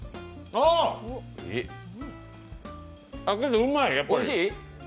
あっ、うまい、やっぱり。